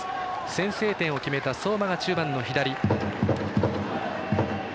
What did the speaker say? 先制点を決めた相馬が中盤の左。